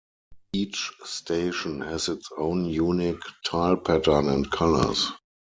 Each station has its own unique tile pattern and colours.